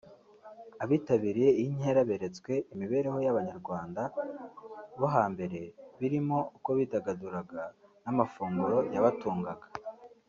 Abitabiriye iyi nkera beretswe imibereho y’Abanyarwanda bo hambere birimo uko bidagaduraga n’amafunguro yabatungaga